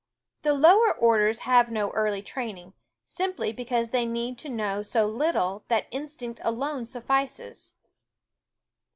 The lower orders have no early training, sim ply because they need to know so little that instinct alone suffices.